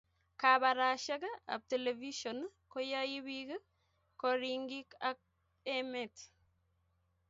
Kabarashek ab televishen koyaipik koringik ab emt